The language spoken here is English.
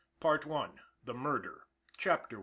PART I. THE MURDER. CHAPTER I.